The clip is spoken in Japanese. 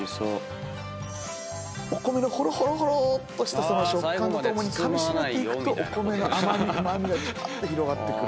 お米のほろほろっとした食感とともにかみしめていくとお米の甘味うま味がじわって広がってくる。